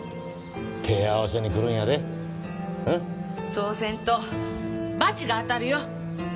そうせんとバチが当たるよ！